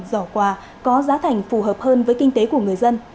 giỏ quà có giá thành phù hợp hơn với kinh tế của người dân